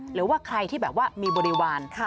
หรือว่าใครที่แบบว่ามีบริวาร